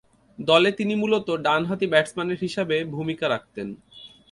দলে তিনি মূলতঃ ডানহাতি ব্যাটসম্যান হিসেবে ভূমিকা রাখতেন।